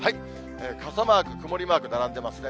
傘マーク、曇りマーク、並んでますね。